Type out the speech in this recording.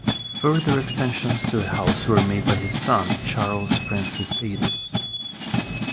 Further extensions to the house were made by his son, Charles Francis Adams.